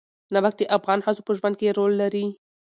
نمک د افغان ښځو په ژوند کې رول لري.